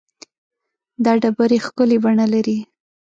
دا ډبرې ښکلې بڼه لري.